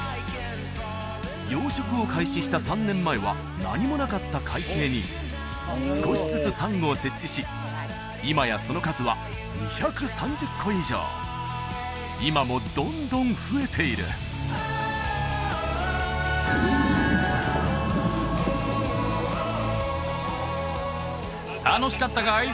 養殖を開始した３年前は何もなかった海底に少しずつサンゴを設置し今やその数は２３０個以上今もどんどん増えている楽しかったかい？